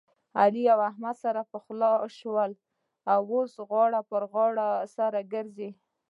احمد اوعلي سره پخلا سول. اوس ښه غاړه په غاړه سره ګرځي.